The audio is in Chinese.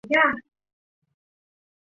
学生食堂位于荆州楼西侧。